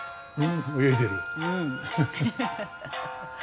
泳いでる。